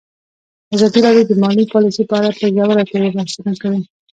ازادي راډیو د مالي پالیسي په اړه په ژوره توګه بحثونه کړي.